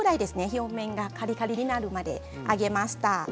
表面がカリカリになるまで揚げました。